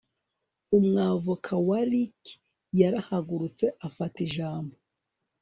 Umwavocat wa Ricky yarahagurutse afata ijambo